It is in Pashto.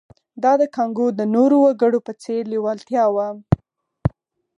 دا د کانګو د نورو وګړو په څېر لېوالتیا وه